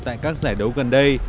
tại các giải đấu gần đây